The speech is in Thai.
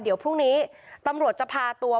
เดี๋ยวพรุ่งนี้ตำรวจจะพาตัว